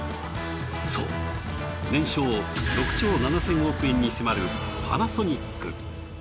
そう年商６兆７，０００億円に迫るパナソニック。